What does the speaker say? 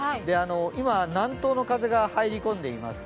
今、南東の風が入り込んでいます。